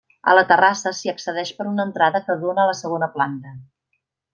A la terrassa s'hi accedeix per una entrada que dóna a la segona planta.